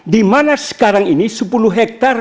dimana sekarang ini sepuluh hektare